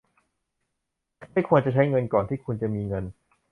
ไม่ควรจะใช้เงินก่อนที่คุณจะมีเงิน